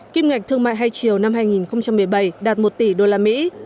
kim ngạch thương mại hai chiều năm hai nghìn một mươi bảy đạt một tỷ usd